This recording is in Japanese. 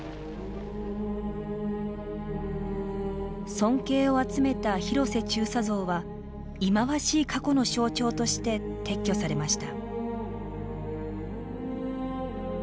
尊敬を集めた広瀬中佐像は忌まわしい過去の象徴として撤去されました。